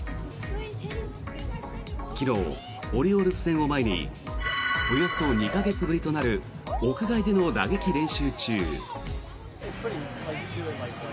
昨日、オリオールズ戦を前におよそ２か月ぶりとなる屋外での打撃練習中。